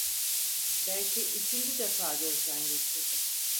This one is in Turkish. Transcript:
Belki üçüncü defa gözden geçirdi.